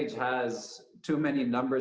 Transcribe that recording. terlalu banyak nomor